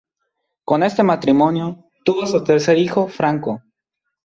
Con este matrimonio tuvo a su tercer hijo, Franco.